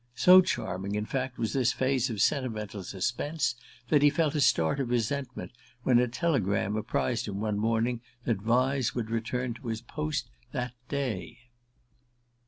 So charming, in fact, was this phase of sentimental suspense that he felt a start of resentment when a telegram apprised him one morning that Vyse would return to his post that day.